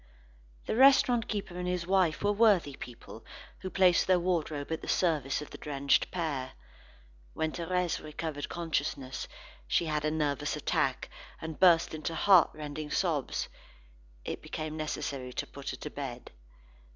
The restaurant keeper and his wife were worthy people who placed their wardrobe at the service of the drenched pair. When Thérèse recovered consciousness, she had a nervous attack, and burst into heartrending sobs. It became necessary to put her to bed.